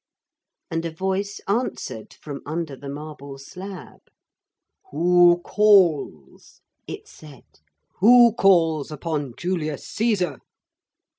And a voice answered from under the marble slab. 'Who calls?' it said. 'Who calls upon Julius Caesar?'